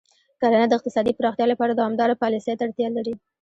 کرنه د اقتصادي پراختیا لپاره دوامداره پالیسۍ ته اړتیا لري.